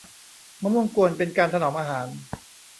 มะม่วงกวน เป็นการถนอมอาหาร